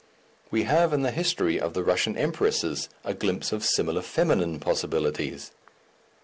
We have in the history of the Russian empresses a glimpse of similar feminine possibilities.